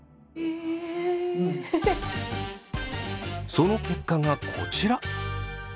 その結果がこちら。